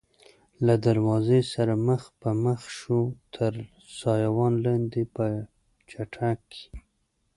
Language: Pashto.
له دروازې سره مخ په مخ شوو، تر سایوان لاندې په چټک کې.